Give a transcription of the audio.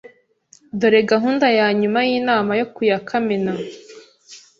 Dore gahunda yanyuma yinama yo ku ya kamena.